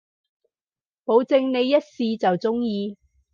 保證你一試就中意